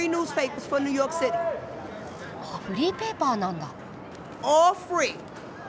フリーペーパーなんだ。